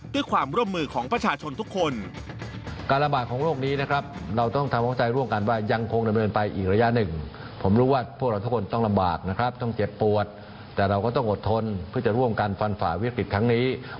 ด้วยความร่วมมือของประชาชนทุกคน